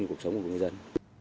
của cuộc sống của công dân